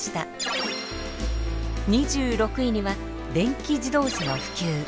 ２６位には「電気自動車の普及」